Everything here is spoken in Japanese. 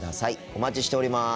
お待ちしております。